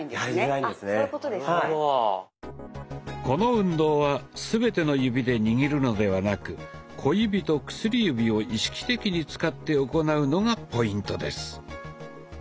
この運動は全ての指で握るのではなく小指と薬指を意識的に使って行うのがポイントです。